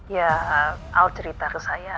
ya awal cerita ke saya